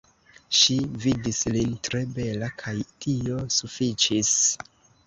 Ŝi vidis lin tre bela, kaj tio sufiĉis.